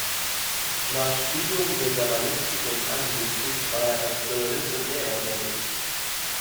Nach Studium der Germanistik und Anglistik war er als Journalist und Lehrer tätig.